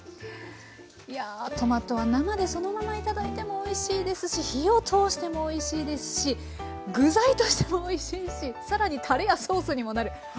いやトマトは生でそのまま頂いてもおいしいですし火を通してもおいしいですし具材としてもおいしいし更にたれやソースにもなる。